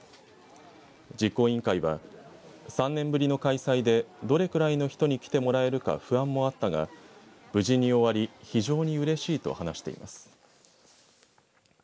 実行委員会は３年ぶりの開催でどれくらいの人に来てもらえるか不安もあったが無事に終わり非常にうれしいと話しています。